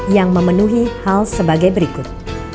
yang memenuhi hal sebagai berikut